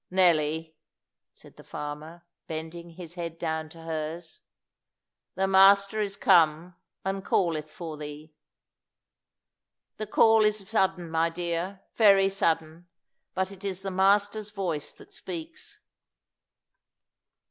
"Nelly," said the farmer, bending his head down to hers, "'The Master is come, and calleth for thee.' The call is sudden, my dear, very sudden. But it's the Master's voice that speaks."